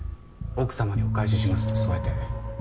「奥様にお返しします」と添えて。